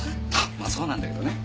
まあそうなんだけどね。